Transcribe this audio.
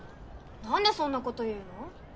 なんでそんなこと言うの？